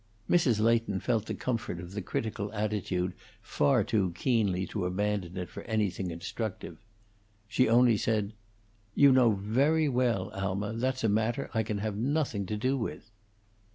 Mrs. Leighton felt the comfort of the critical attitude far too keenly to abandon it for anything constructive. She only said, "You know very well, Alma, that's a matter I can have nothing to do with."